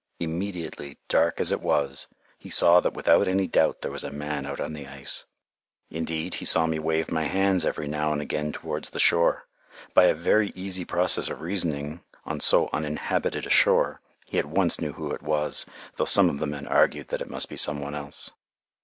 Immediately, dark as it was, he saw that without any doubt there was a man out on the ice. Indeed, he saw me wave my hands every now and again towards the shore. By a very easy process of reasoning on so uninhabited a shore, he at once knew who it was, though some of the men argued that it must be some one else.